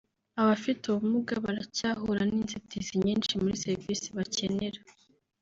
Abafite ubumuga baracyahura n’inzitizi nyinshi muri serivisi bakenera